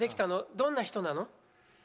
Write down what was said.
どんな人なの？